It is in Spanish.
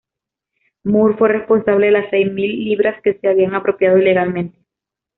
Moore fue responsable de las seis mil libras que se habían apropiado ilegalmente.